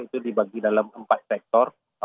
itu dibagi dalam empat sektor